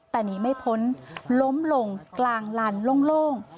แต่หนีไม่พ้นล้มลงกลางลันโล่ง